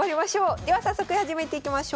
では早速始めていきましょう。